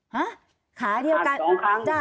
หัก๒ครั้ง